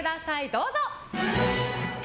どうぞ。